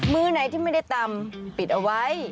มือไหนที่ไม่ได้ตำปิดเอาไว้